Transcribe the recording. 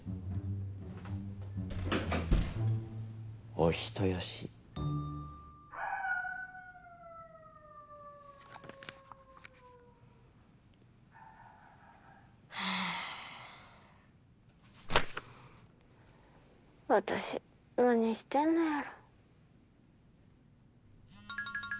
お人よし私何してんのやろ・